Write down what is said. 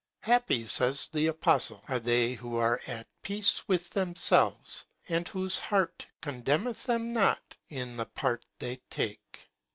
Happy, says the Apostle, are they who are at peace with themselves, and whose heart condemneth them notin the part they take.